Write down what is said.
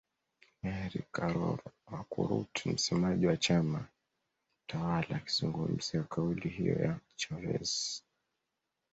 Mary Karoro Okurut msemaji wa chama tawala akizungumzia kauli hiyo ya Chavez